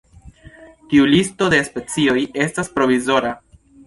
Tiu listo de specioj estas provizora.